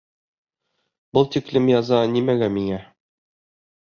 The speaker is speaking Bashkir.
Был тиклем яза нимәгә миңә?